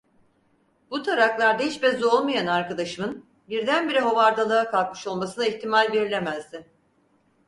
Bu taraklarda hiç bezi olmayan arkadaşımın birdenbire hovardalığa kalkmış olmasına ihtimal verilemezdi.